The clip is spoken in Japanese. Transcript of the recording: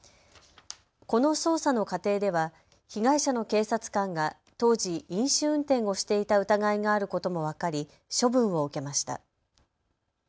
この捜査の過程では被害者の警察官が当時、飲酒運転をしていた疑いがあることも分かり処分を受けました。